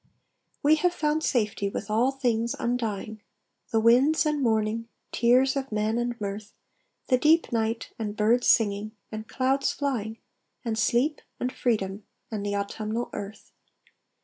We have found safety with all things undying, The winds, and morning, tears of men and mirth, The deep night, and birds singing, and clouds flying, And sleep, and freedom, and the autumnal earth.